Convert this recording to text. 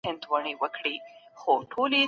وزیرانو نوي تړونونه لاسلیک کړل.